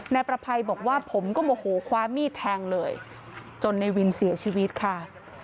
นายประภัยบอกว่าผมก็โมโหคว้ามีดแทงเลยจนในวินเสียชีวิตค่ะ